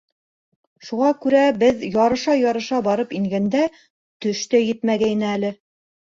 Шуға күрә беҙ ярыша-ярыша барып ингәндә, төш тә етмәгәйне әле.